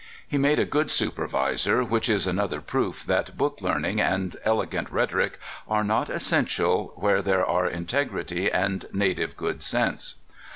He made a good supervisor, which is another proof that book learning and elegant rhetoric are not essential where there are integrity and native good sense.